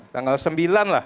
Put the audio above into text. delapan tanggal sembilan lah